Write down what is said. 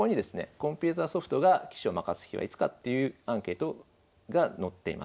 コンピュータソフトが棋士を負かす日はいつかというアンケートが載っています。